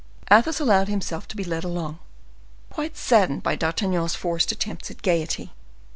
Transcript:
Athos allowed himself to be led along, quite saddened by D'Artagnan's forced attempts at gayety.